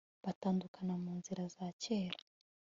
batandukana munzira za kera